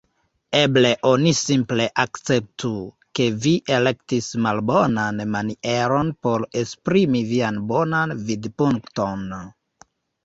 Eble oni simple akceptu, ke vi elektis malbonan manieron por esprimi vian bonan vidpunkton.